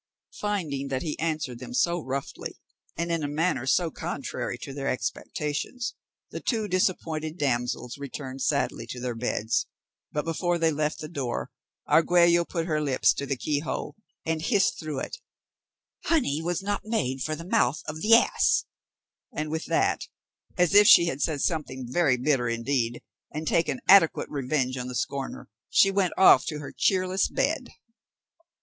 Finding that he answered them so roughly, and in a manner so contrary to their expectations, the two disappointed damsels returned sadly to their beds; but before they left the door, Argüello put her lips to the key hole, and hissed through it, "Honey was not made for the mouth of the ass;" and with that, as if she had said something very bitter indeed, and taken adequate revenge on the scorner, she went off to her cheerless bed.